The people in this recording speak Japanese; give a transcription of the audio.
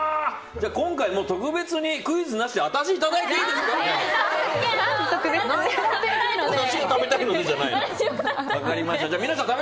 じゃあ今回、特別にクイズなしで私いただいていいですか？